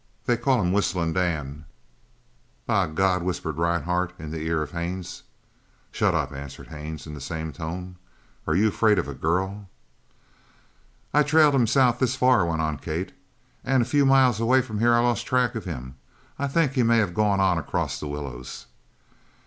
They call him Whistling Dan." "By God!" whispered Rhinehart in the ear of Haines. "Shut up!" answered Haines in the same tone. "Are you afraid of a girl?" "I've trailed him south this far," went on Kate, "and a few miles away from here I lost track of him. I think he may have gone on across the willows."